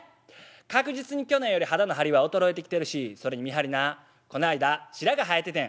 確実に去年より肌の張りは衰えてきてるしそれにミハルなこの間白髪生えててん」。